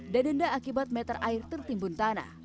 denda akibat meter air tertimbun tanah